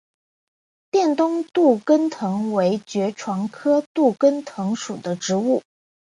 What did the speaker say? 滇东杜根藤为爵床科杜根藤属的植物。